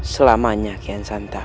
selamanya kian santan